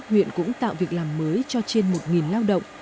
huyện cũng tạo việc làm mới cho trên một lao động